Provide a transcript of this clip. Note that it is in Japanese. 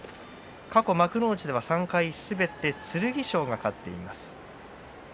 過去幕内では３回すべて剣翔が勝っています。